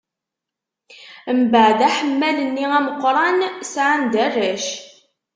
Mbeɛd aḥemmal-nni ameqran, sɛan-d arrac.